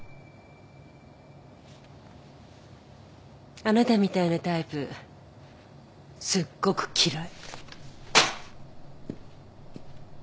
あなたみたいなタイプすっごく嫌い。